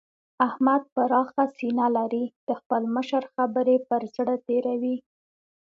احمد پراخه سينه لري؛ د خپل مشر خبرې پر زړه تېروي.